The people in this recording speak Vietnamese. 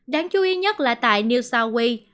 đáng chú ý nhất là tại new south wales